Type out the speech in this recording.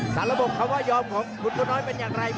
สาระบบเขาว่ายอมของคุณคุณน้อยเป็นอย่างไร